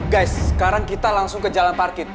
guys sekarang kita langsung ke jalan parkir